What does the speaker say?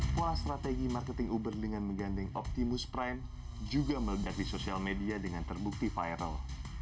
pola strategi marketing uber dengan menggandeng optimis prime juga meledak di sosial media dengan terbukti viral